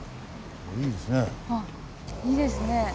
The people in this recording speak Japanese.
あっいいですね。